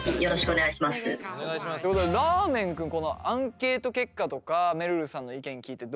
ということでらーめん君このアンケート結果とかめるるさんの意見聞いてどうですか？